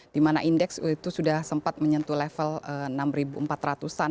di mana indeks itu sudah sempat menyentuh level enam ribu empat ratus an